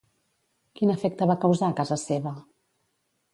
Quin efecte va causar a casa seva?